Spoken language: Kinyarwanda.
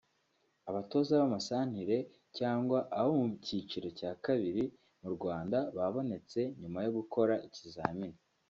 abatoza b’amasantire cyangwa abo mu cyiciro cya kabiri mu Rwanda babonetse nyuma yo gukora ikizamini